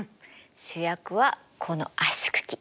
主役はこの圧縮機。